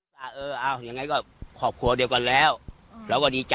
ลูกตัวมากนะฮะ